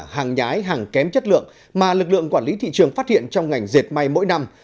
hàng nhái hàng kém chất lượng mà lực lượng quản lý thị trường phát hiện trong ngành dệt may mỗi năm